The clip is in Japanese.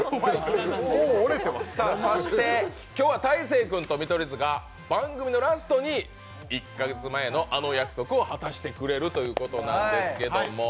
そして今日は大晴君と見取り図が番組のラストに１か月前のあの約束を果たしてくれるということなんですけれども。